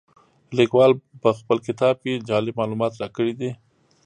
لیکوال په خپل کتاب کې جالب معلومات راکړي دي.